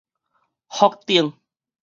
福鼎